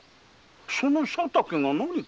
その佐竹が何か？